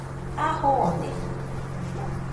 A jone